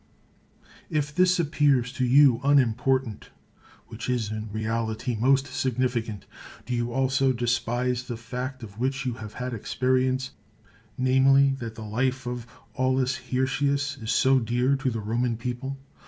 If this appears to you unimportant, which is in reality most significant, do you also despise the 167 THE WORLD'S FAMOUS ORATIONS fact of which you have had experience — namely, that the life of Aulus Hirtius ^ is so dear to the Roman people